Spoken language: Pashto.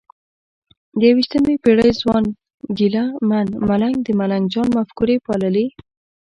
د یویشتمې پېړۍ ځوان ګیله من ملنګ د ملنګ جان مفکوره پاللې؟